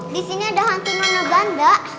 disini ada hantu nona banda